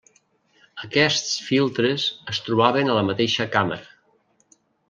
Aquests filtres es trobaven a la mateixa càmera.